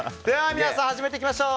皆さん始めていきましょう。